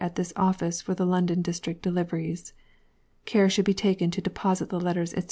at this Office for the London District deliveries. Care should be taken to deposit the letters, &c.